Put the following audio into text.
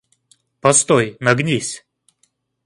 Постой, нагнись!